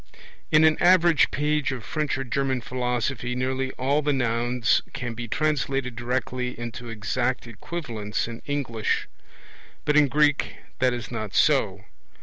In an average page of French or German philosophy nearly all the nouns can be translated directly into exact equivalents in English; but in Greek that is not so.